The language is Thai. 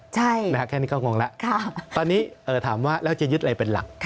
ใช่นะครับแค่นี้ก็งงแล้วตอนนี้ถามว่าแล้วจะยึดอะไรเป็นหลัก